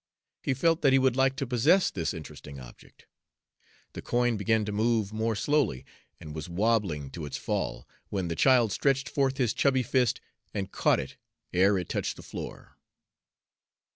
He felt that he would like to possess this interesting object. The coin began to move more slowly, and was wabbling to its fall, when the child stretched forth his chubby fist and caught it ere it touched the floor.